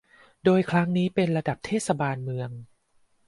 โดยครั้งนี้เป็นระดับเทศบาลเมือง